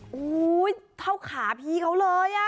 โอ้โหเท่าขาพี่เขาเลย